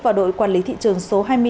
và đội quản lý thị trường số hai mươi hai